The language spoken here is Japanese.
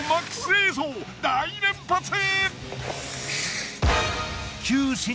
大連発！